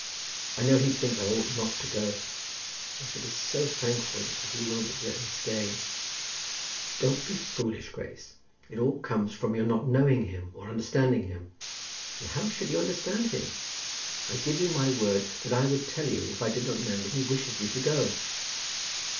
"I know he thinks I ought not to go. I shall be so thankful if you will but let me stay." [Illustration: Grace Crawley is introduced to Squire Dale.] "Don't be foolish, Grace. It all comes from your not knowing him, or understanding him. And how should you understand him? I give you my word that I would tell you if I did not know that he wishes you to go."